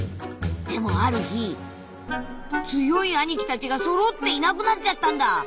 でもある日強い兄貴たちがそろっていなくなっちゃったんだ。